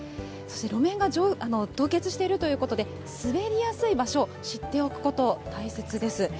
そして路面が凍結しているということで、滑りやすい場所、知っておくこと、大切です。